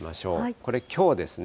これきょうですね。